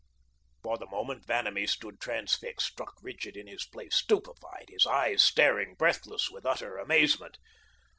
For the moment, Vanamee stood transfixed, struck rigid in his place, stupefied, his eyes staring, breathless with utter amazement.